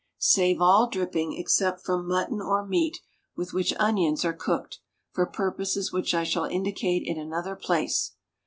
Save all dripping, except from mutton or meat with which onions are cooked, for purposes which I shall indicate in another place.